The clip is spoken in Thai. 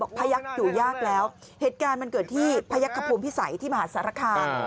บอกพระยักษณ์ดูยากแล้วเหตุการณ์มันเกิดที่พระยักษณ์ขภูมิพิสัยที่มหาศาลคา